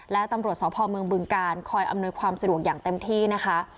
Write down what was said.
และตำรวจสพเมืองบึงการคอยอำนวยความสะดวกอย่างเต็มที่นะคะ